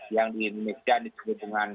yang di indonesia disebut dengan